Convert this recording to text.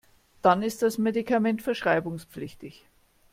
Dann ist das Medikament verschreibungspflichtig.